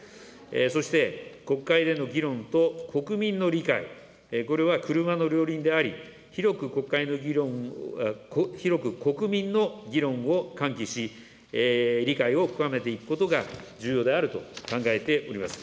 そして、国会での議論と国民の理解、これは車の両輪であり、広く国民の議論を喚起し、理解を深めていくことが重要であると考えております。